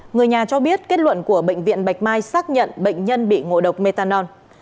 người nhà cho biết kết luận của bệnh viện bạch mai xác nhận bệnh nhân bị ngộ độc metanol